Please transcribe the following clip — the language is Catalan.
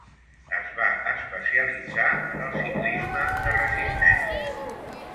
Es va especialitzar en el ciclisme de resistència.